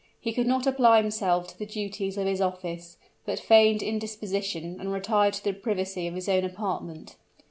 He could not apply himself to the duties of his office, but feigned indisposition and retired to the privacy of his own apartment.